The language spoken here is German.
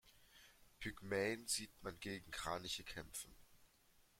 Pygmäen sieht man gegen Kraniche kämpfen.